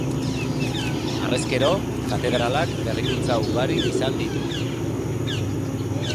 Harrezkero, katedralak berrikuntza ugari izan ditu.